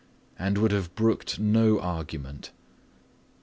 —and would have brooked no argument.